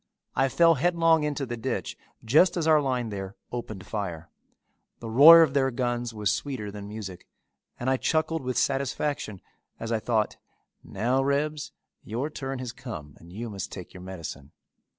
I fell headlong into the ditch just as our line there opened fire. The roar of their guns was sweeter than music and I chuckled with satisfaction as I thought, "Now, Rebs, your turn has come and you must take your medicine."